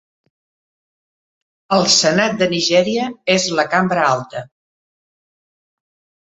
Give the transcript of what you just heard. El Senat de Nigèria és la cambra alta.